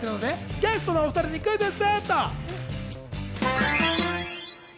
ゲストのお２人にクイズッス！